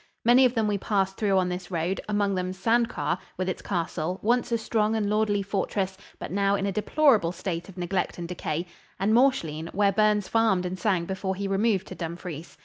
Many of them we passed through on this road, among them Sandquhar, with its castle, once a strong and lordly fortress but now in a deplorable state of neglect and decay, and Mauchline, where Burns farmed and sang before he removed to Dumfries.